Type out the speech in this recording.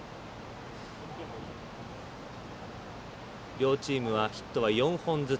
両チームはヒットは４本ずつ。